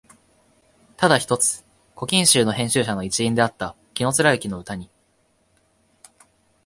ただ一つ「古今集」の編集者の一員であった紀貫之の歌に、